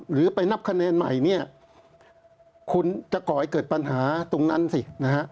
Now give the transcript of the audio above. หรือไปนับคะแนนใหม่เนี่ยคุณจะก่อให้เกิดปัญหาตรงนั้นสินะฮะ